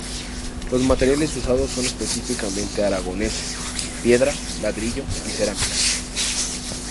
Los materiales usados son específicamente aragoneses: piedra, ladrillo y cerámica.